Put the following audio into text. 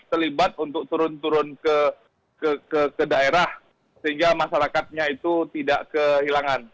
terlibat untuk turun turun ke daerah sehingga masyarakatnya itu tidak kehilangan